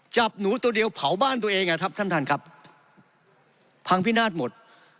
จับหนูตัวเดียวเผาบ้านตัวเองอ่ะครับท่านท่านครับพังพินาศหมด